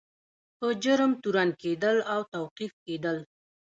په جرم تورن کیدل او توقیف کیدل.